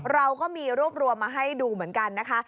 เราก็มีรวบรวมมาให้ดูเหมือนกันนะคะ